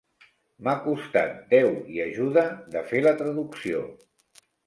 M'ha costat Déu i ajuda, de fer la traducció!